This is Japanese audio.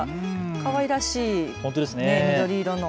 かわいらしい緑色の。